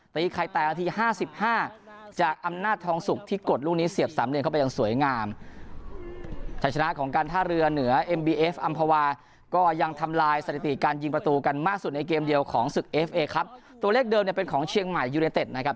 เทมเดียวของศึกเอฟเอครับตัวเลขเดิมเนี่ยเป็นของเชียงใหม่ยูเนตเต็ดนะครับ